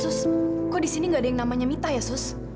sus kok di sini gak ada yang namanya mita ya sus